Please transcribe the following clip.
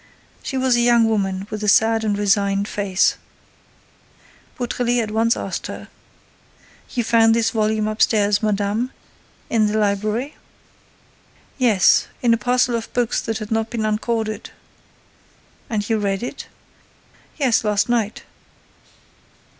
She was a young woman, with a sad and resigned face. Beautrelet at once asked her: "You found this volume upstairs, madame, in the library?" "Yes, in a parcel of books that had not been uncorded." "And you read it?" "Yes, last night."